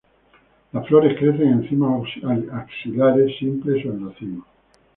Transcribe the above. Las flores crecen en cimas axilares, simples o en racimos.